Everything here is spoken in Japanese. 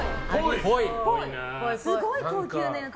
すごい高級なやつ。